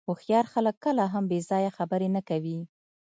هوښیار خلک کله هم بې ځایه خبرې نه کوي.